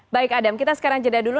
baik adam kita sekarang jeda dulu